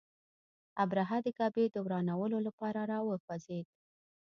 ابرهه د کعبې د ورانولو لپاره را وخوځېد.